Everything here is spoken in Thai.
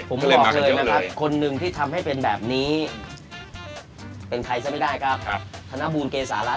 ผมบอกเลยนะครับคนหนึ่งที่ทำให้เป็นแบบนี้เป็นใครซะไม่ได้ครับธนบูลเกษารัฐ